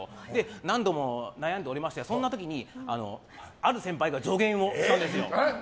何度も悩んでおりましてそんな時にある先輩が助言をしたんですよ。